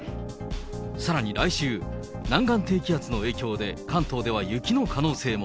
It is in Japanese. さらに来週、南岸低気圧の影響で、関東では雪の可能性も。